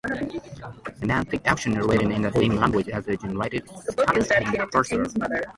Semantic actions are written in the same language as the generated scanner and parser.